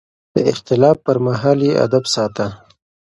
د اختلاف پر مهال يې ادب ساته.